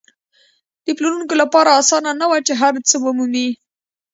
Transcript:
د پلورونکو لپاره اسانه نه وه چې هر څه ومومي.